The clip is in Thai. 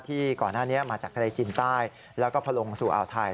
ที่ก่อนหน้านี้มาจากใกล้จินใต้แล้วก็พลงสู่อาวไทย